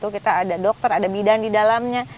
kita ada dokter ada bidan di dalamnya